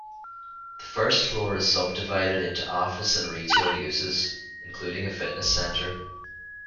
The first floor is sub-divided into office and retail uses, including a fitness centre.